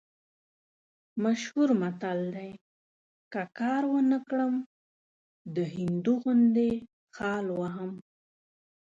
مشهور متل دی: که کار ونه کړم، د هندو غوندې خال وهم.